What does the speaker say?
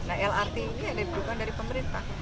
nah lrt ini ada dukungan dari pemerintah